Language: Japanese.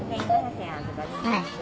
はい。